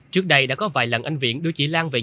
trước đây đã có vài lần anh viện đưa chị lại thị kiều lan